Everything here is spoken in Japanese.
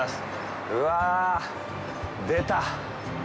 うわぁ、出た！